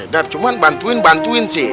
dar cuman bantuin bantuin sih